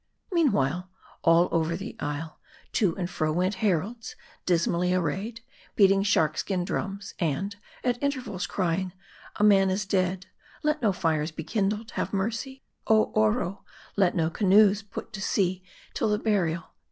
Meanwhile, all over the isle, to and fro went heralds, dismally arrayed, beating shark skin drums ; and, at inter vals, crying " A man is dead ; let no fires be kindled ; have mercy, oh Oro ! Let no canoes put to sea till the burial.